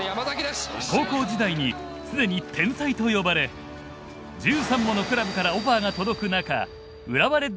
高校時代にすでに天才と呼ばれ１３ものクラブからオファーが届く中浦和レッズに入団。